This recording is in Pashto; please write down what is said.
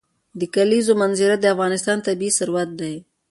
د کلیزو منظره د افغانستان طبعي ثروت دی.